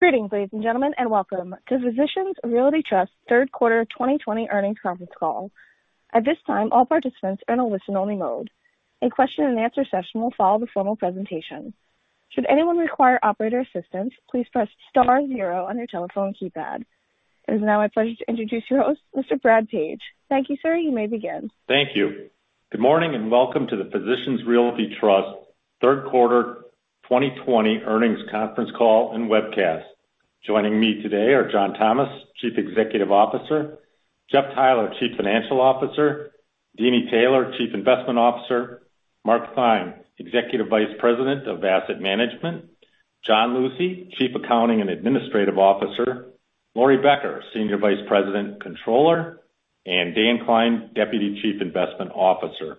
Greetings, ladies and gentlemen, and welcome to Physicians Realty Trust third quarter 2020 earnings conference call. At this time, all participants are in a listen-only mode. A question and answer session will follow the formal presentation. Should anyone require operator assistance, please press star zero on your telephone keypad. It is now my pleasure to introduce your host, Mr. Brad Page. Thank you, sir. You may begin. Thank you. Good morning. Welcome to the Physicians Realty Trust third quarter 2020 earnings conference call and webcast. Joining me today are John Thomas, Chief Executive Officer; Jeff Theiler, Chief Financial Officer; Deeni Taylor, Chief Investment Officer; Mark Theine, Executive Vice President of Asset Management; John Lucey, Chief Accounting and Administrative Officer; Laurie Becker, Senior Vice President, Controller; and Dan Klein, Deputy Chief Investment Officer.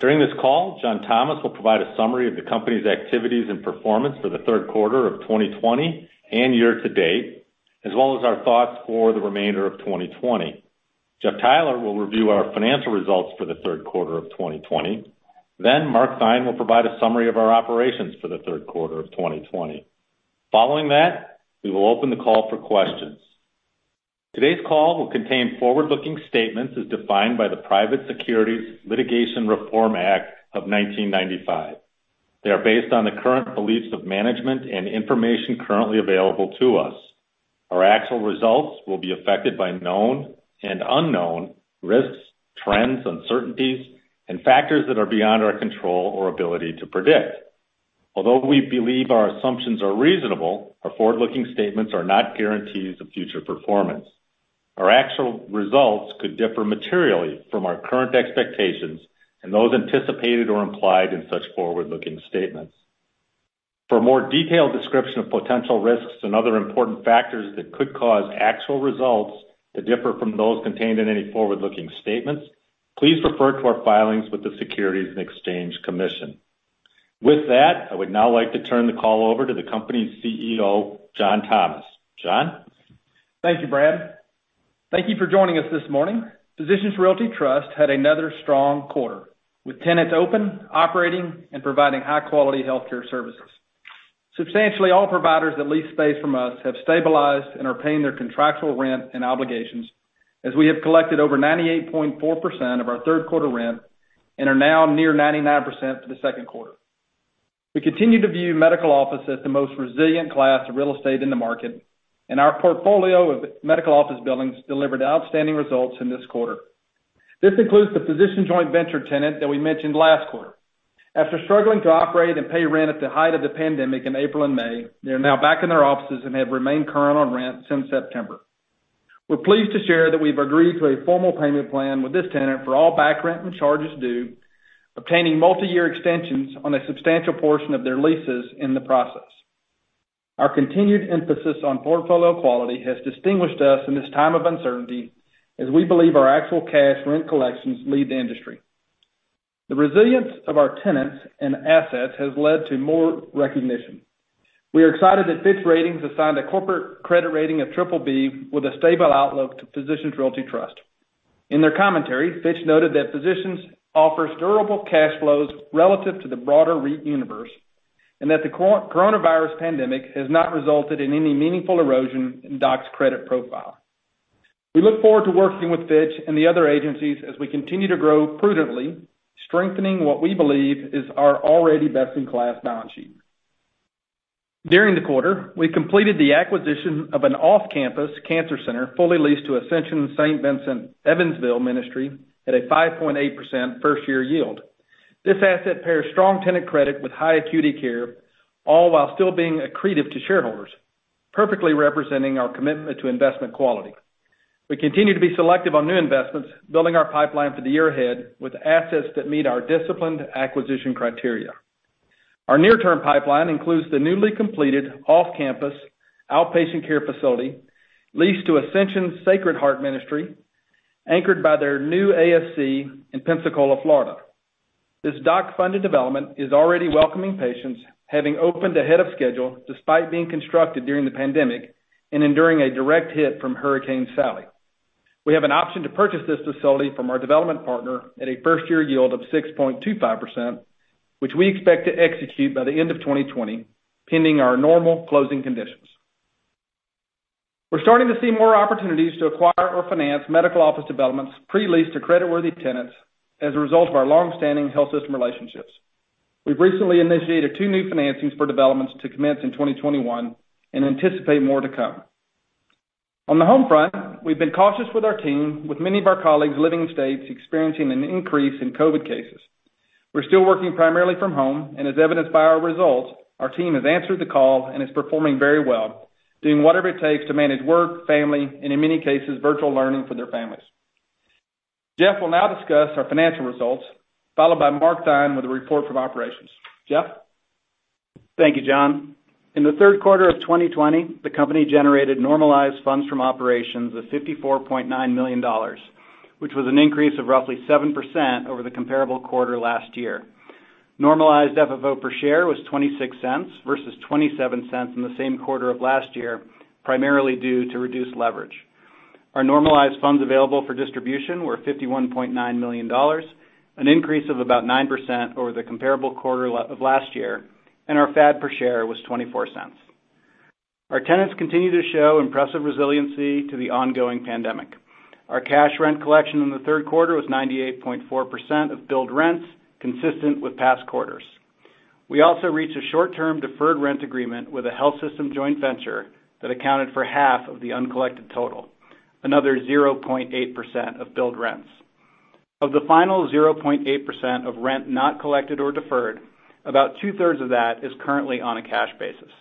During this call, John Thomas will provide a summary of the company's activities and performance for the third quarter of 2020 and year-to-date, as well as our thoughts for the remainder of 2020. Jeff Theiler will review our financial results for the third quarter of 2020. Mark Theine will provide a summary of our operations for the third quarter of 2020. Following that, we will open the call for questions. Today's call will contain forward-looking statements as defined by the Private Securities Litigation Reform Act of 1995. They are based on the current beliefs of management and information currently available to us. Our actual results will be affected by known and unknown risks, trends, uncertainties, and factors that are beyond our control or ability to predict. Although we believe our assumptions are reasonable, our forward-looking statements are not guarantees of future performance. Our actual results could differ materially from our current expectations and those anticipated or implied in such forward-looking statements. For a more detailed description of potential risks and other important factors that could cause actual results to differ from those contained in any forward-looking statements, please refer to our filings with the Securities and Exchange Commission. With that, I would now like to turn the call over to the company's CEO, John Thomas. John? Thank you, Brad. Thank you for joining us this morning. Physicians Realty Trust had another strong quarter, with tenants open, operating, and providing high-quality healthcare services. Substantially, all providers that lease space from us have stabilized and are paying their contractual rent and obligations, as we have collected over 98.4% of our third quarter rent and are now near 99% for the second quarter. We continue to view medical office as the most resilient class of real estate in the market, and our portfolio of medical office buildings delivered outstanding results in this quarter. This includes the physician joint venture tenant that we mentioned last quarter. After struggling to operate and pay rent at the height of the pandemic in April and May, they are now back in their offices and have remained current on rent since September. We're pleased to share that we've agreed to a formal payment plan with this tenant for all back rent and charges due, obtaining multi-year extensions on a substantial portion of their leases in the process. Our continued emphasis on portfolio quality has distinguished us in this time of uncertainty, as we believe our actual cash rent collections lead the industry. The resilience of our tenants and assets has led to more recognition. We are excited that Fitch Ratings assigned a corporate credit rating of BBB with a stable outlook to Physicians Realty Trust. In their commentary, Fitch noted that Physicians offers durable cash flows relative to the broader REIT universe, and that the coronavirus pandemic has not resulted in any meaningful erosion in DOC's credit profile. We look forward to working with Fitch and the other agencies as we continue to grow prudently, strengthening what we believe is our already best-in-class balance sheet. During the quarter, we completed the acquisition of an off-campus cancer center fully leased to Ascension St. Vincent Evansville Ministry at a 5.8% first-year yield. This asset pairs strong tenant credit with high acuity care, all while still being accretive to shareholders, perfectly representing our commitment to investment quality. We continue to be selective on new investments, building our pipeline for the year ahead with assets that meet our disciplined acquisition criteria. Our near-term pipeline includes the newly completed off-campus outpatient care facility leased to Ascension Sacred Heart Ministry, anchored by their new ASC in Pensacola, Florida. This DOC-funded development is already welcoming patients, having opened ahead of schedule despite being constructed during the pandemic and enduring a direct hit from Hurricane Sally. We have an option to purchase this facility from our development partner at a first-year yield of 6.25%, which we expect to execute by the end of 2020, pending our normal closing conditions. We're starting to see more opportunities to acquire or finance medical office developments pre-leased to creditworthy tenants as a result of our longstanding health system relationships. We've recently initiated two new financings for developments to commence in 2021 and anticipate more to come. On the home front, we've been cautious with our team, with many of our colleagues living in states experiencing an increase in COVID cases. We're still working primarily from home, and as evidenced by our results, our team has answered the call and is performing very well, doing whatever it takes to manage work, family, and in many cases, virtual learning for their families. Jeff will now discuss our financial results, followed by Mark Theine with a report from operations. Jeff? Thank you, John. In the third quarter of 2020, the company generated normalized funds from operations of $54.9 million, which was an increase of roughly 7% over the comparable quarter last year. Normalized FFO per share was $0.26 versus $0.27 in the same quarter of last year, primarily due to reduced leverage. Our normalized funds available for distribution were $51.9 million, an increase of about 9% over the comparable quarter of last year, and our FAD per share was $0.24. Our tenants continue to show impressive resiliency to the ongoing pandemic. Our cash rent collection in the third quarter was 98.4% of billed rents, consistent with past quarters. We also reached a short-term deferred rent agreement with a health system joint venture that accounted for half of the uncollected total, another 0.8% of billed rents. Of the final 0.8% of rent not collected or deferred, about 2/3 of that is currently on a cash basis.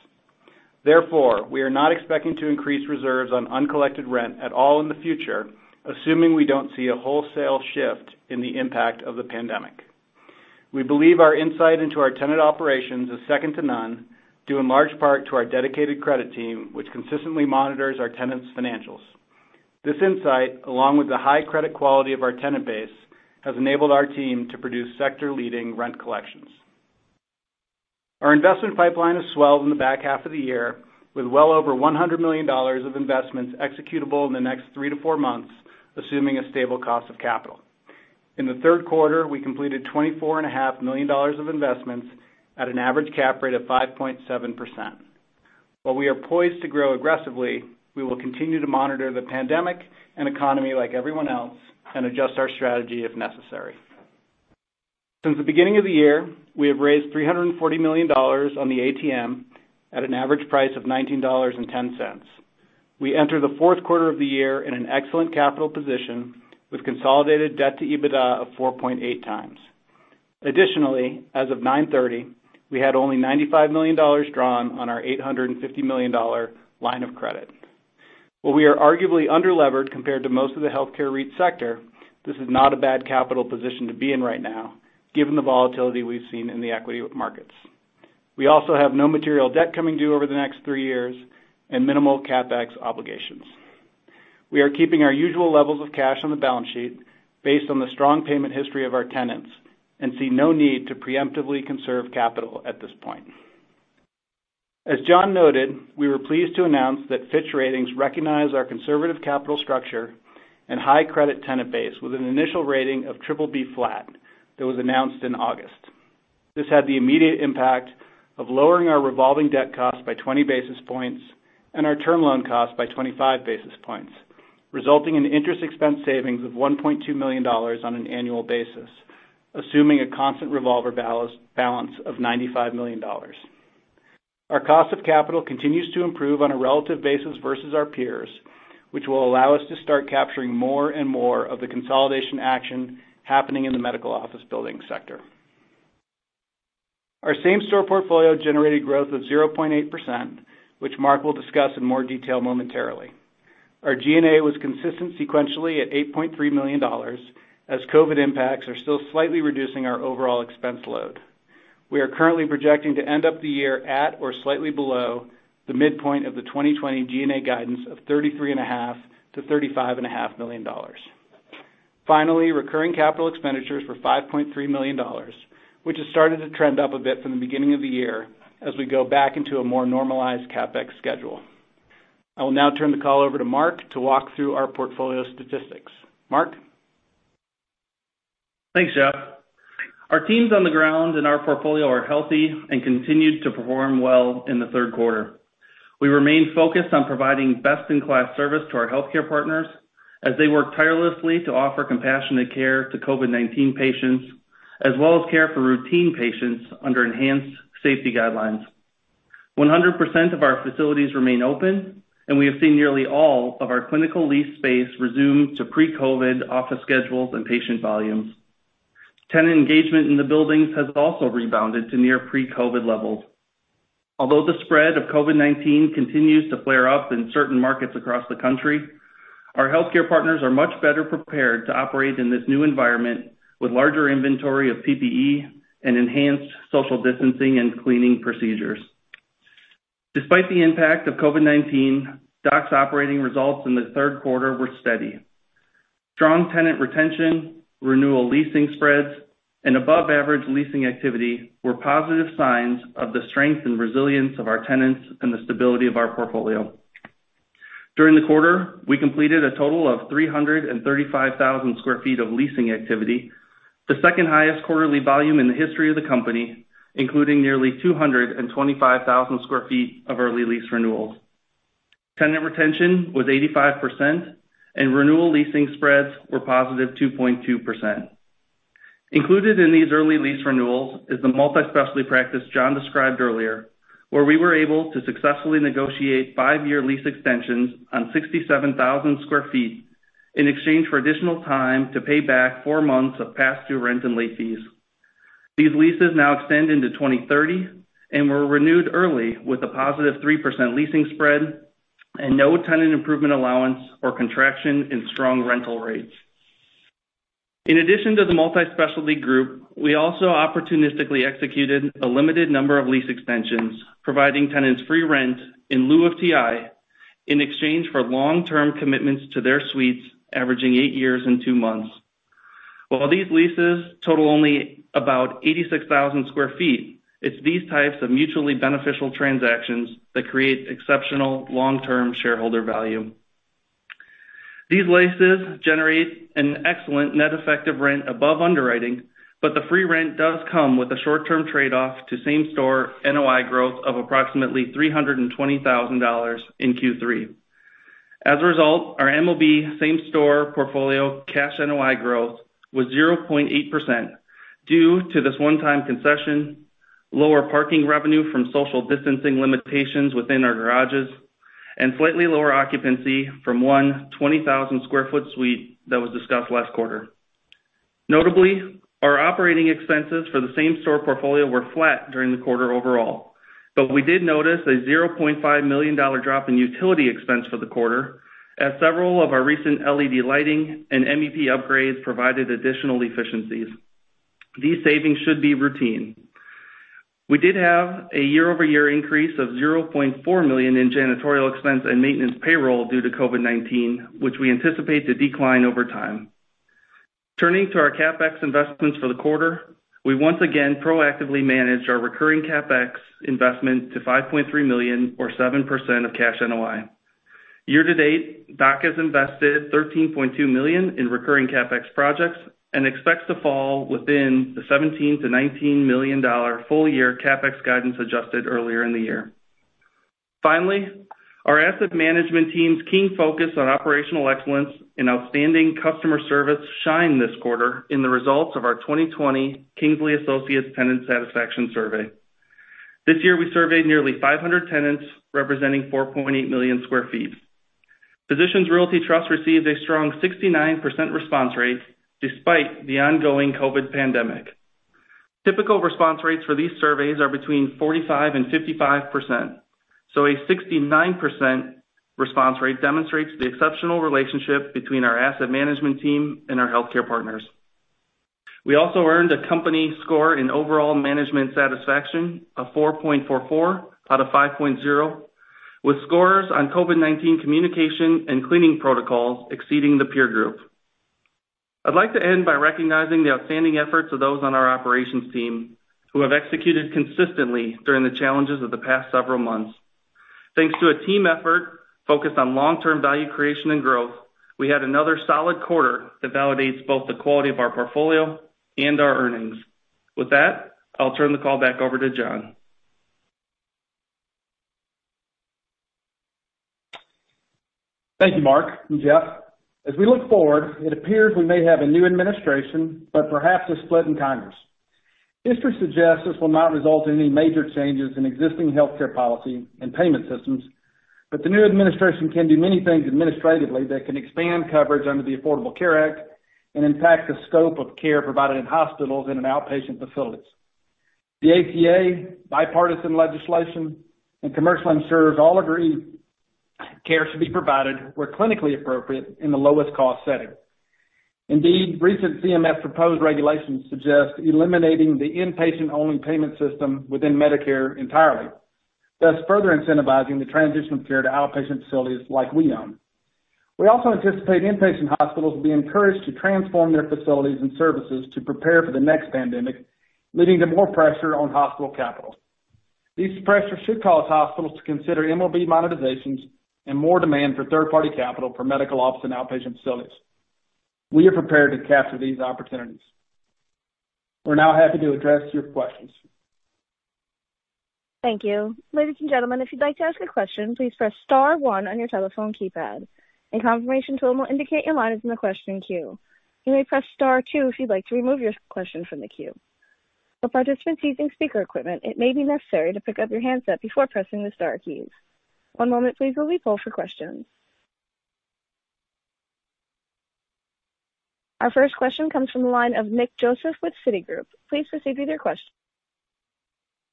Therefore, we are not expecting to increase reserves on uncollected rent at all in the future, assuming we don't see a wholesale shift in the impact of the pandemic. We believe our insight into our tenant operations is second to none, due in large part to our dedicated credit team, which consistently monitors our tenants' financials. This insight, along with the high credit quality of our tenant base, has enabled our team to produce sector-leading rent collections. Our investment pipeline has swelled in the back half of the year, with well over $100 million of investments executable in the next three to four months, assuming a stable cost of capital. In the third quarter, we completed $24.5 million of investments at an average cap rate of 5.7%. While we are poised to grow aggressively, we will continue to monitor the pandemic and economy like everyone else and adjust our strategy if necessary. Since the beginning of the year, we have raised $340 million on the ATM at an average price of $19.10. We enter the fourth quarter of the year in an excellent capital position with consolidated debt-to-EBITDA of 4.8x. Additionally, as of 9/30, we had only $95 million drawn on our $850 million line of credit. While we are arguably under-levered compared to most of the healthcare REIT sector, this is not a bad capital position to be in right now, given the volatility we've seen in the equity markets. We also have no material debt coming due over the next three years and minimal CapEx obligations. We are keeping our usual levels of cash on the balance sheet based on the strong payment history of our tenants and see no need to preemptively conserve capital at this point. As John noted, we were pleased to announce that Fitch Ratings recognized our conservative capital structure and high credit tenant base with an initial rating of BBB flat that was announced in August. This had the immediate impact of lowering our revolving debt cost by 20 basis points and our term loan cost by 25 basis points, resulting in interest expense savings of $1.2 million on an annual basis, assuming a constant revolver balance of $95 million. Our cost of capital continues to improve on a relative basis versus our peers, which will allow us to start capturing more and more of the consolidation action happening in the medical office building sector. Our same-store portfolio generated growth of 0.8%, which Mark will discuss in more detail momentarily. Our G&A was consistent sequentially at $8.3 million, as COVID impacts are still slightly reducing our overall expense load. We are currently projecting to end up the year at or slightly below the midpoint of the 2020 G&A guidance of $33.5 million-$35.5 million. Finally, recurring capital expenditures were $5.3 million, which has started to trend up a bit from the beginning of the year as we go back into a more normalized CapEx schedule. I will now turn the call over to Mark to walk through our portfolio statistics. Mark? Thanks, Jeff. Our teams on the ground and our portfolio are healthy and continued to perform well in the third quarter. We remain focused on providing best-in-class service to our healthcare partners as they work tirelessly to offer compassionate care to COVID-19 patients, as well as care for routine patients under enhanced safety guidelines. 100% of our facilities remain open, and we have seen nearly all of our clinical leased space resume to pre-COVID office schedules and patient volumes. Tenant engagement in the buildings has also rebounded to near pre-COVID levels. The spread of COVID-19 continues to flare up in certain markets across the country, our healthcare partners are much better prepared to operate in this new environment with larger inventory of PPE and enhanced social distancing and cleaning procedures. Despite the impact of COVID-19, DOC's operating results in the third quarter were steady. Strong tenant retention, renewal leasing spreads, and above-average leasing activity were positive signs of the strength and resilience of our tenants and the stability of our portfolio. During the quarter, we completed a total of 335,000 sq ft of leasing activity, the second-highest quarterly volume in the history of the company, including nearly 225,000 sq ft of early lease renewals. Tenant retention was 85%, and renewal leasing spreads were +2.2%. Included in these early lease renewals is the multi-specialty practice John described earlier, where we were able to successfully negotiate five-year lease extensions on 67,000 sq ft in exchange for additional time to pay back four months of past-due rent and late fees. These leases now extend into 2030 and were renewed early with a +3% leasing spread and no tenant improvement allowance or contraction in strong rental rates. In addition to the multi-specialty group, we also opportunistically executed a limited number of lease extensions, providing tenants free rent in lieu of TI in exchange for long-term commitments to their suites averaging eight years and two months. While these leases total only about 86,000 sq ft, it's these types of mutually beneficial transactions that create exceptional long-term shareholder value. These leases generate an excellent net effective rent above underwriting, but the free rent does come with a short-term trade-off to same-store NOI growth of approximately $320,000 in Q3. As a result, our MOB same-store portfolio cash NOI growth was 0.8% due to this one-time concession, lower parking revenue from social distancing limitations within our garages, and slightly lower occupancy from one 20,000 sq ft suite that was discussed last quarter. Notably, our operating expenses for the same-store portfolio were flat during the quarter overall. We did notice a $0.5 million drop in utility expense for the quarter as several of our recent LED lighting and MEP upgrades provided additional efficiencies. These savings should be routine. We did have a year-over-year increase of $0.4 million in janitorial expense and maintenance payroll due to COVID-19, which we anticipate to decline over time. Turning to our CapEx investments for the quarter, we once again proactively managed our recurring CapEx investment to $5.3 million or 7% of cash NOI. Year-to-date, DOC has invested $13.2 million in recurring CapEx projects and expects to fall within the $17 million-$19 million full-year CapEx guidance adjusted earlier in the year. Finally, our asset management team's keen focus on operational excellence and outstanding customer service shined this quarter in the results of our 2020 Kingsley Associates Tenant Satisfaction Survey. This year, we surveyed nearly 500 tenants representing 4.8 million square feet. Physicians Realty Trust received a strong 69% response rate despite the ongoing COVID pandemic. Typical response rates for these surveys are between 45% and 55%. A 69% response rate demonstrates the exceptional relationship between our asset management team and our healthcare partners. We also earned a company score in overall management satisfaction of 4.44 out of 5.0, with scores on COVID-19 communication and cleaning protocols exceeding the peer group. I'd like to end by recognizing the outstanding efforts of those on our operations team who have executed consistently during the challenges of the past several months. Thanks to a team effort focused on long-term value creation and growth, we had another solid quarter that validates both the quality of our portfolio and our earnings. With that, I'll turn the call back over to John. Thank you, Mark and Jeff. As we look forward, it appears we may have a new administration, but perhaps a split in Congress. History suggests this will not result in any major changes in existing healthcare policy and payment systems, but the new administration can do many things administratively that can expand coverage under the Affordable Care Act and impact the scope of care provided in hospitals and in outpatient facilities. The ACA, bipartisan legislation, and commercial insurers all agree care should be provided where clinically appropriate in the lowest cost setting. Indeed, recent CMS proposed regulations suggest eliminating the inpatient-only payment system within Medicare entirely, thus further incentivizing the transition of care to outpatient facilities like we own. We also anticipate inpatient hospitals will be encouraged to transform their facilities and services to prepare for the next pandemic, leading to more pressure on hospital capital. These pressures should cause hospitals to consider MOB monetizations and more demand for third-party capital for medical office and outpatient facilities. We are prepared to capture these opportunities. We are now happy to address your questions. Thank you. Ladies and gentlemen, if you'd like to ask a question please press star one on you telephone keypad. A confirm tone will indicate your line is in the question queue. You may press star two if you would like to remove your question from the queue. Participants using speaker equipment it may necessary to pickup your handset before pressing the star keys. One moment please while we poll for questions. Our first question comes from the line of Nick Joseph with Citigroup. Please proceed with your question.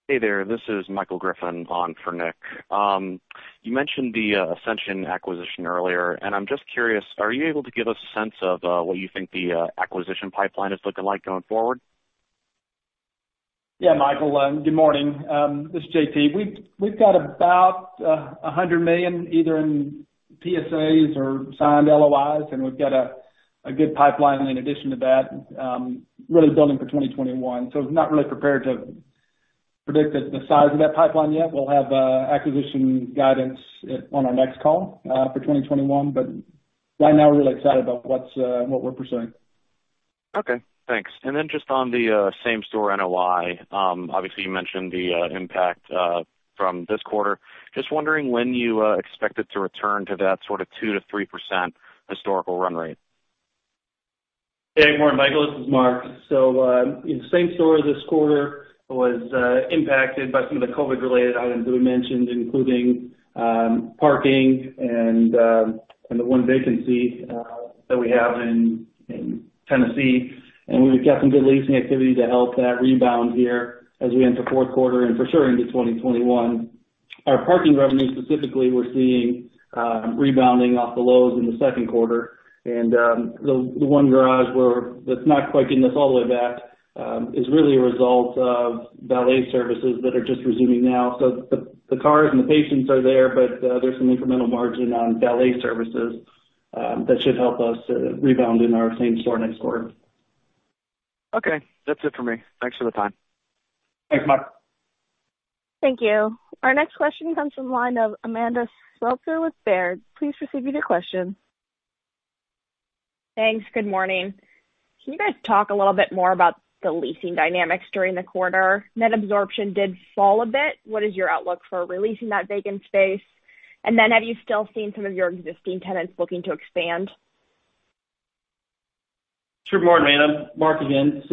Hey there. This is Michael Griffin on for Nick. You mentioned the Ascension acquisition earlier, and I'm just curious, are you able to give us a sense of what you think the acquisition pipeline is looking like going forward? Yeah, Michael. Good morning. This is JT. We've got about $100 million either in PSAs or signed LOIs, and we've got a good pipeline in addition to that, really building for 2021. Not really prepared to predict the size of that pipeline yet. We'll have acquisition guidance on our next call for 2021. Right now, we're really excited about what we're pursuing. Okay, thanks. Just on the same-store NOI, obviously you mentioned the impact from this quarter. Just wondering when you expect it to return to that sort of 2%-3% historical run rate. Hey, good morning, Michael. This is Mark. Same-store this quarter was impacted by some of the COVID-related items we mentioned, including parking and the one vacancy that we have in Tennessee. We've got some good leasing activity to help that rebound here as we enter fourth quarter and for sure into 2021. Our parking revenue specifically, we're seeing rebounding off the lows in the second quarter. The one garage that's not quite getting us all the way back is really a result of valet services that are just resuming now. The cars and the patients are there, but there's some incremental margin on valet services that should help us rebound in our same store next quarter. Okay. That's it for me. Thanks for the time. Thanks, Mike. Thank you. Our next question comes from the line of Amanda Sweitzer with Baird. Please proceed with your question. Thanks. Good morning. Can you guys talk a little bit more about the leasing dynamics during the quarter? Net absorption did fall a bit. What is your outlook for releasing that vacant space? Have you still seen some of your existing tenants looking to expand? Good morning, Amanda. Mark again.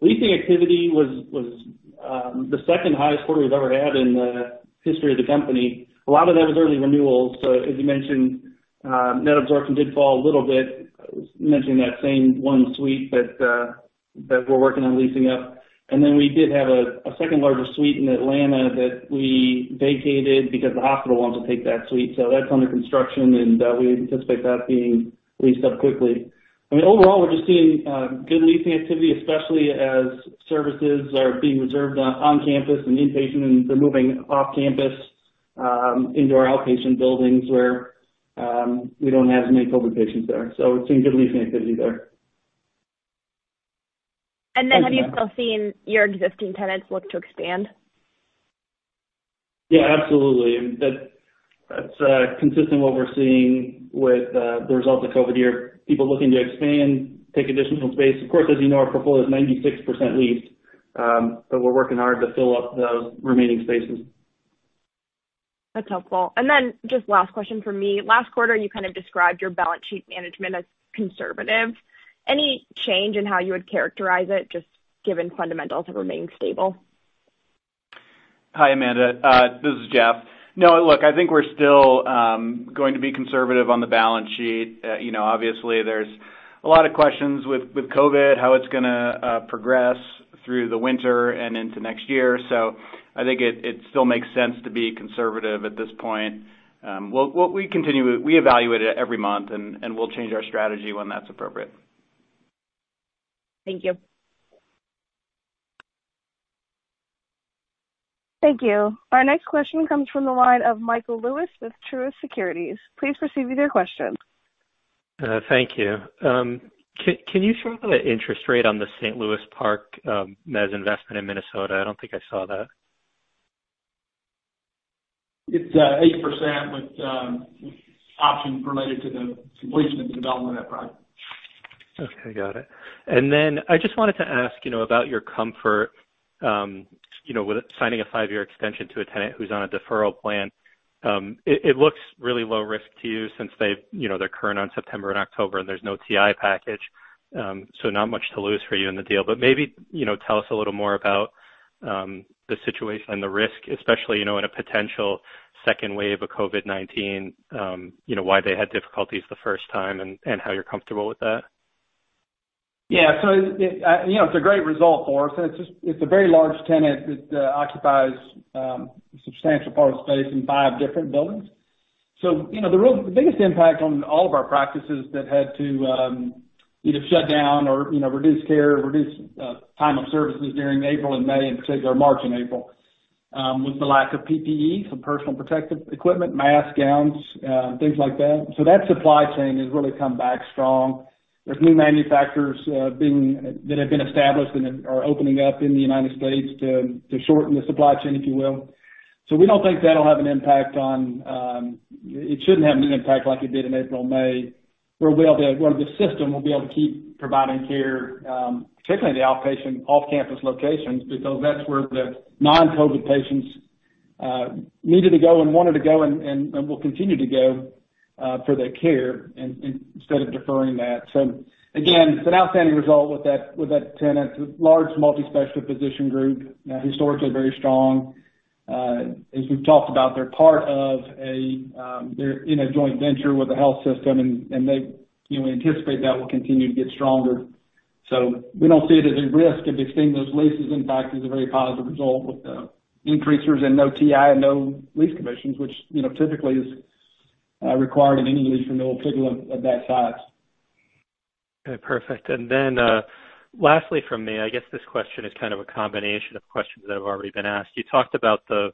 Leasing activity was the second highest quarter we've ever had in the history of the company. A lot of that was early renewals. As you mentioned, net absorption did fall a little bit, mentioning that same one suite that we're working on leasing up. We did have a second larger suite in Atlanta that we vacated because the hospital wants to take that suite. That's under construction, and we anticipate that being leased up quickly. Overall, we're just seeing good leasing activity, especially as services are being reserved on campus and inpatient, and they're moving off campus into our outpatient buildings where we don't have as many COVID patients there. It's been good leasing activity there. Have you still seen your existing tenants look to expand? Yeah, absolutely. That's consistent what we're seeing with the results of COVID here. People looking to expand, take additional space. Of course, as you know, our portfolio is 96% leased, so we're working hard to fill up those remaining spaces. That's helpful. Just last question from me. Last quarter, you kind of described your balance sheet management as conservative. Any change in how you would characterize it, just given fundamentals have remained stable? Hi, Amanda. This is Jeff. Look, I think we're still going to be conservative on the balance sheet. Obviously, there's a lot of questions with COVID, how it's going to progress through the winter and into next year. I think it still makes sense to be conservative at this point. We evaluate it every month, and we'll change our strategy when that's appropriate. Thank you. Thank you. Our next question comes from the line of Michael Lewis with Truist Securities. Please proceed with your question. Thank you. Can you share the interest rate on the St. Louis Park med investment in Minnesota? I don't think I saw that. It's 8% with options related to the completion of the development of that project. Okay, got it. I just wanted to ask about your comfort with signing a five-year extension to a tenant who's on a deferral plan. It looks really low risk to you since they're current on September and October, and there's no TI package. Not much to lose for you in the deal, but maybe tell us a little more about the situation and the risk, especially in a potential second wave of COVID-19, why they had difficulties the first time and how you're comfortable with that. Yeah. It's a great result for us, and it's a very large tenant that occupies a substantial part of the space in five different buildings. The biggest impact on all of our practices that had to either shut down or reduce care, reduce time of services during April and May, in particular March and April, was the lack of PPE, so personal protective equipment, masks, gowns, things like that. That supply chain has really come back strong. There's new manufacturers that have been established and are opening up in the United States to shorten the supply chain, if you will. We don't think that'll have an impact. It shouldn't have an impact like it did in April and May, where the system will be able to keep providing care, particularly the outpatient off-campus locations, because that's where the non-COVID patients needed to go and wanted to go and will continue to go for their care instead of deferring that. Again, it's an outstanding result with that tenant. It's a large multi-specialty physician group, historically very strong. As we've talked about, they're in a joint venture with the health system, and we anticipate that will continue to get stronger. We don't see it as a risk of extending those leases. In fact, it's a very positive result with the increases and no TI and no lease commissions, which typically is required in any lease renewal, particularly of that size. Okay, perfect. Lastly from me, I guess this question is kind of a combination of questions that have already been asked. You talked about the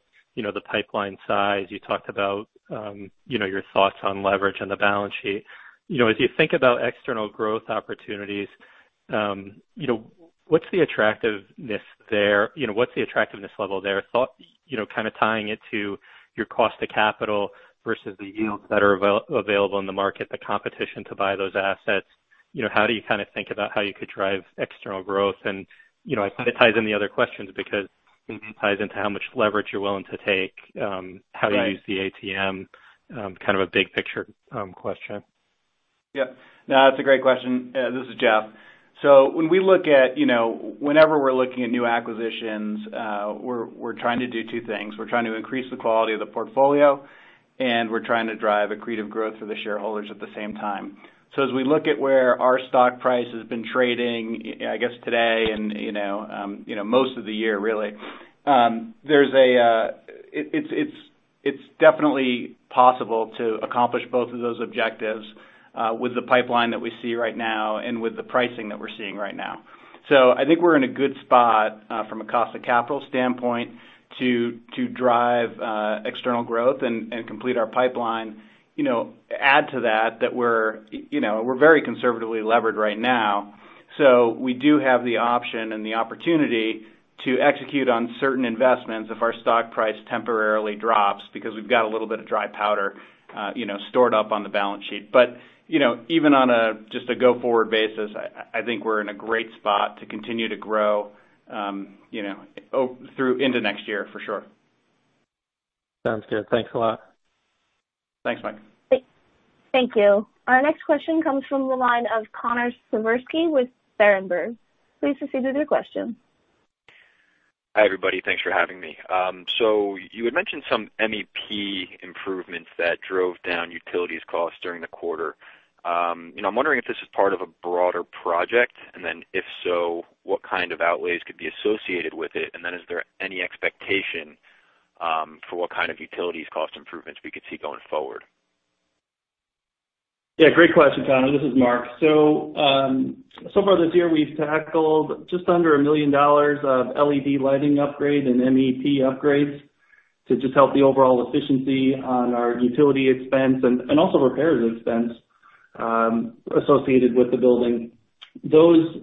pipeline size. You talked about your thoughts on leverage and the balance sheet. As you think about external growth opportunities, what's the attractiveness level there? Kind of tying it to your cost of capital versus the yields that are available in the market, the competition to buy those assets. How do you kind of think about how you could drive external growth? I think it ties in the other questions because it ties into how much leverage you're willing to take? Right. How do you use the ATM? Kind of a big picture question. Yeah. No, that's a great question. This is Jeff. Whenever we're looking at new acquisitions, we're trying to do two things. We're trying to increase the quality of the portfolio, and we're trying to drive accretive growth for the shareholders at the same time. As we look at where our stock price has been trading, I guess today and most of the year really, it's definitely possible to accomplish both of those objectives with the pipeline that we see right now and with the pricing that we're seeing right now. I think we're in a good spot from a cost of capital standpoint to drive external growth and complete our pipeline. Add to that we're very conservatively levered right now. We do have the option and the opportunity to execute on certain investments if our stock price temporarily drops, because we've got a little bit of dry powder stored up on the balance sheet. Even on just a go-forward basis, I think we're in a great spot to continue to grow into next year, for sure. Sounds good. Thanks a lot. Thanks, Mike. Thank you. Our next question comes from the line of Connor Siversky with Berenberg. Please proceed with your question. Hi, everybody. Thanks for having me. You had mentioned some MEP improvements that drove down utilities costs during the quarter. I'm wondering if this is part of a broader project, and then if so, what kind of outlays could be associated with it, and then is there any expectation for what kind of utilities cost improvements we could see going forward? Yeah, great question, Connor. This is Mark. Far this year, we've tackled just under $1 million of LED lighting upgrade and MEP upgrades to just help the overall efficiency on our utility expense, and also repairs expense associated with the building. Those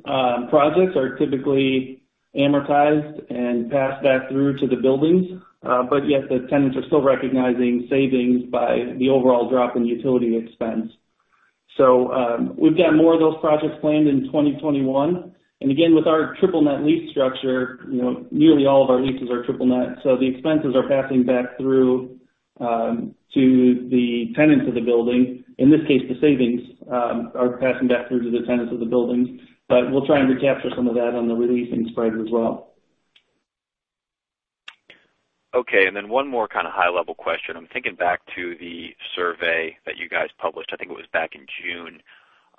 projects are typically amortized and passed back through to the buildings. Yet, the tenants are still recognizing savings by the overall drop in utility expense. We've got more of those projects planned in 2021. Again, with our triple-net lease structure, nearly all of our leases are triple-net, the expenses are passing back through to the tenants of the building. In this case, the savings are passing back through to the tenants of the buildings. We'll try and recapture some of that on the re-leasing spread as well. Okay, one more kind of high-level question. I'm thinking back to the survey that you guys published, I think it was back in June.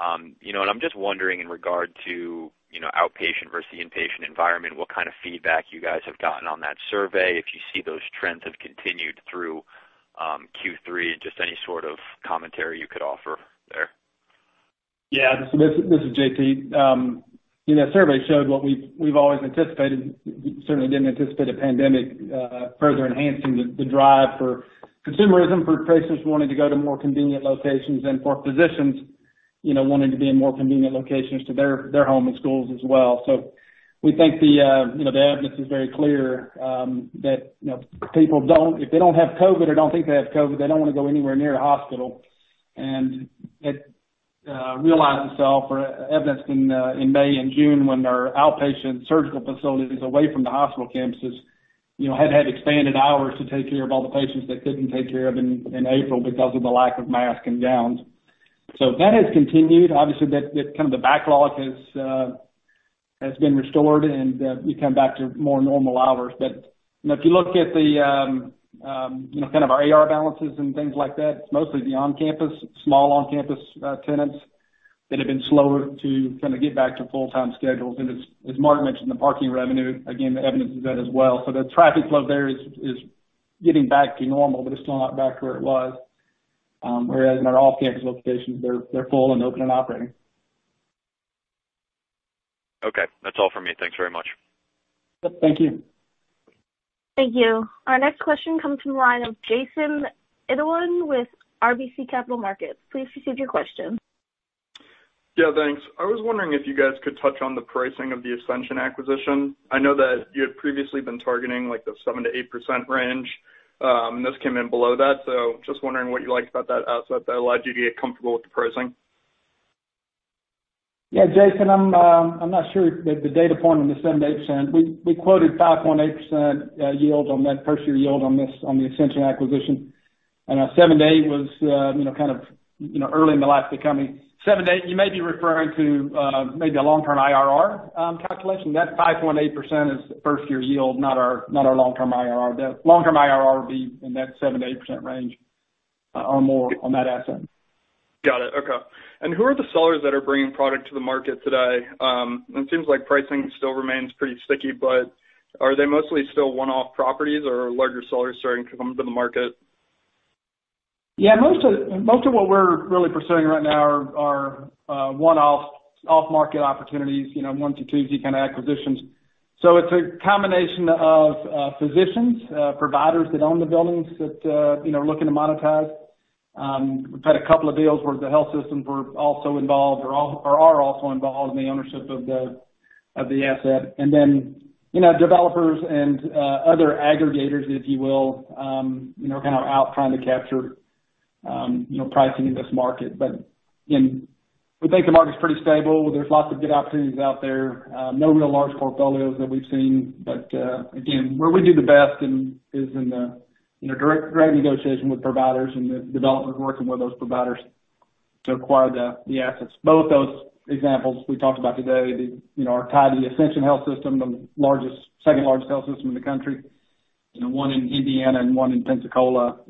I'm just wondering in regard to outpatient versus the inpatient environment, what kind of feedback you guys have gotten on that survey, if you see those trends have continued through Q3, and just any sort of commentary you could offer there. Yeah. This is JT. That survey showed what we've always anticipated. We certainly didn't anticipate a pandemic further enhancing the drive for consumerism, for patients wanting to go to more convenient locations, and for physicians wanting to be in more convenient locations to their home and schools as well. We think the evidence is very clear that if people don't have COVID or don't think they have COVID, they don't want to go anywhere near a hospital. It realized itself, or evidenced in May and June, when our outpatient surgical facilities away from the hospital campuses had expanded hours to take care of all the patients they couldn't take care of in April because of the lack of masks and gowns. That has continued. Obviously, kind of the backlog has been restored, and we've come back to more normal hours. If you look at kind of our AR balances and things like that, it's mostly the small on-campus tenants that have been slower to kind of get back to full-time schedules. As Mark mentioned, the parking revenue, again, the evidence is that as well. The traffic flow there is getting back to normal, but it's still not back to where it was. Whereas in our off-campus locations, they're full and open and operating. Okay. That's all from me. Thanks very much. Yep, thank you. Thank you. Our next question comes from the line of Jason Idoine with RBC Capital Markets. Please proceed with your question. Yeah, thanks. I was wondering if you guys could touch on the pricing of the Ascension acquisition. I know that you had previously been targeting the 7%-8% range. This came in below that, so just wondering what you liked about that asset that allowed you to get comfortable with the pricing. Yeah, Jason, I'm not sure the data point on the 7%-8%. We quoted 5.8% yield on net, first-year yield on the Ascension acquisition. 7%-8% was kind of early in the life of the company. 7%-8%, you may be referring to maybe a long-term IRR calculation. That 5.8% is the first-year yield, not our long-term IRR. The long-term IRR would be in that 7%-8% range or more on that asset. Got it. Okay. Who are the sellers that are bringing product to the market today? It seems like pricing still remains pretty sticky, but are they mostly still one-off properties, or are larger sellers starting to come into the market? Yeah, most of what we're really pursuing right now are one-off, off-market opportunities, one to two Z kind of acquisitions. It's a combination of physicians, providers that own the buildings that are looking to monetize. We've had a couple of deals where the health systems were also involved or are also involved in the ownership of the asset. Developers and other aggregators, if you will, are kind of out trying to capture pricing in this market. Again, we think the market's pretty stable. There's lots of good opportunities out there. No real large portfolios that we've seen. Again, where we do the best is in the direct negotiation with providers and the developers working with those providers to acquire the assets. Both those examples we talked about today are tied to the Ascension Health system, the second-largest health system in the country, one in Indiana and one in Pensacola.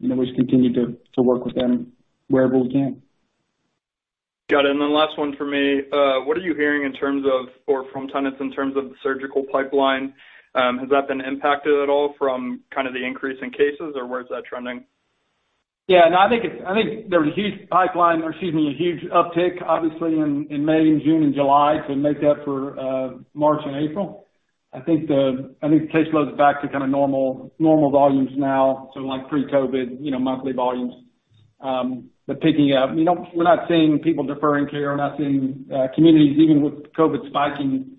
We just continue to work with them wherever we can. Got it. Then last one from me. What are you hearing from tenants in terms of the surgical pipeline? Has that been impacted at all from kind of the increase in cases? Or where is that trending? I think there was a huge uptick, obviously, in May and June and July to make up for March and April. I think the caseload's back to kind of normal volumes now, so like pre-COVID monthly volumes. They're picking up. We're not seeing people deferring care. We're not seeing communities, even with COVID spiking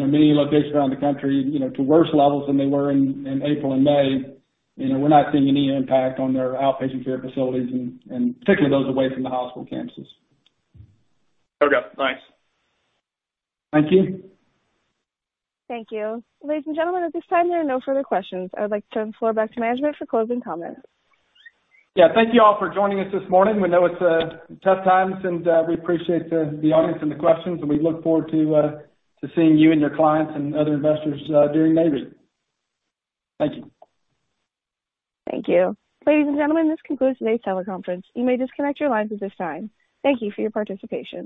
in many locations around the country to worse levels than they were in April and May, we're not seeing any impact on their outpatient care facilities, and particularly those away from the hospital campuses. Okay, thanks. Thank you. Thank you. Ladies and gentlemen, at this time, there are no further questions. I would like to turn the floor back to management for closing comments. Yeah. Thank you all for joining us this morning. We know it's tough times, and we appreciate the audience and the questions, and we look forward to seeing you and your clients and other investors during Nareit. Thank you. Thank you. Ladies and gentlemen, this concludes today's teleconference. You may disconnect your lines at this time. Thank you for your participation.